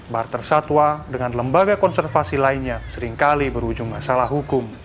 barter satwa dengan lembaga konservasi lainnya seringkali berujung masalah hukum